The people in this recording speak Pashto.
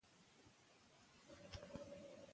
لوستل انسان د ناپوهۍ له تیارو راباسي او پوهه زیاتوي.